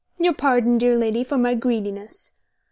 Your pardon, dear lady, for my greediness."